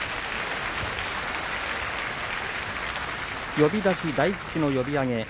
呼出し大吉の読み上げ。